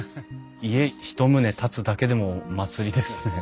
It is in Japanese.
家一棟建つだけでも祭りですね。